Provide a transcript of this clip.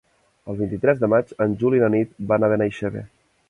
El vint-i-tres de maig en Juli i na Nit van a Benaixeve.